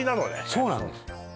そうなんです